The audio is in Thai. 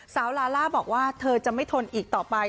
ลาล่าบอกว่าเธอจะไม่ทนอีกต่อไป